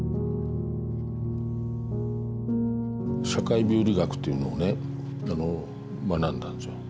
社会病理学というのをね学んだんですよ。